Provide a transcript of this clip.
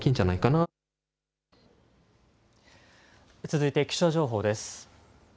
続いて気象情報です。